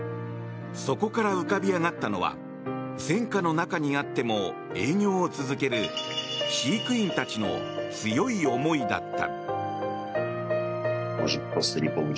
そこから浮かび上がったのは戦禍の中にあっても営業を続ける飼育員たちの強い思いだった。